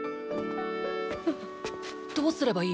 どうすればいい？